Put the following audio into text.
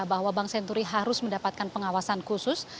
bahwa bank senturi harus mendapatkan pengawasan khusus